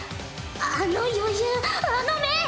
あの余裕あの目。